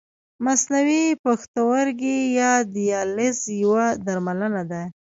مصنوعي پښتورګی یا دیالیز یوه درملنه ده.